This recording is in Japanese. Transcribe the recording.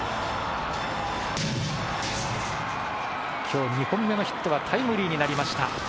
今日２本目のヒットはタイムリーになりました。